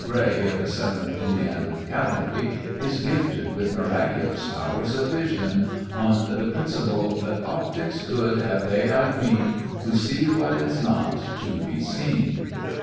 Gray, of the 7th Indiana cavalry, is gifted with miraculous powers of vision, on the principle that " Optics good have they, I ween. Who see what is not to be seen."